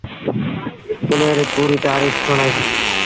ڪلي ريٚ پوريٚ تآريٚک سُڻآئيٚس